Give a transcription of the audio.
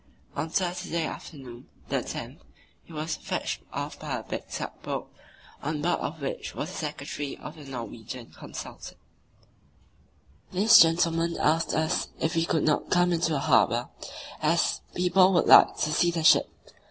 On Saturday afternoon, the 10th, he was fetched off by a big tug boat, on board of which was the Secretary of the Norwegian Consulate. This gentleman asked us if we could not come into the harbour, as "people would like to see the ship."